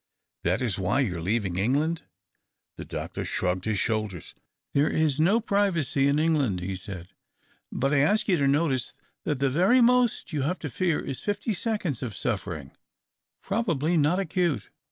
" That is why you are leaving England ?" The doctor shrugged his shoulders. " There is no privacy in England," he said. " But I ask you to notice that the very most you have to fear is fifty seconds of suffering — probably not acute.